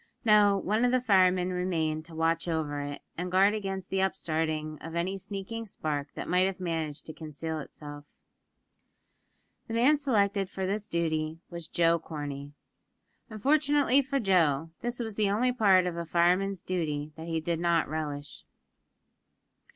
No; one of the firemen remained to watch over it, and guard against the upstarting of any sneaking spark that might have managed to conceal itself. The man selected for this duty was Joe Corney. Unfortunately for Joe, this was the only part of a fireman's duty that he did not relish.